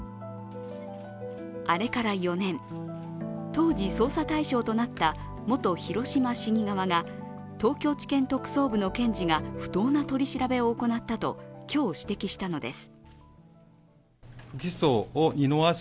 あれから４年、当時、捜査対象となった元広島市議側が、東京地検特捜部の検事が不当な取り調べを行ったと今日、指摘したのです。